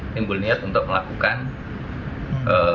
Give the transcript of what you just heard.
timbul niat untuk melakukan